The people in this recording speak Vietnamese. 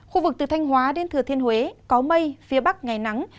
khu vực từ thanh hóa đến thừa thiên huế có mây phía bắc ngày nắng